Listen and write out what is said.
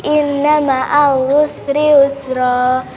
in nama alhusri usrok